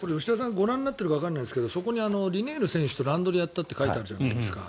ご覧になっているかわからないんですがそこにリネール選手と乱取りをやったって書いてあるじゃないですか。